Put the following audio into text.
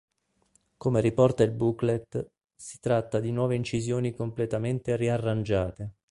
Come riporta il booklet si tratta di nuove incisioni completamente riarrangiate.